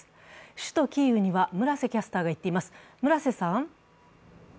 首都キーウには村瀬キャスターが行っています。